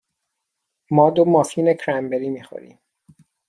ما دو مافین کرنبری می خوریم.